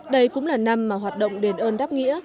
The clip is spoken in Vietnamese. đây cũng là năm mà hoạt động đền ơn đáp nghĩa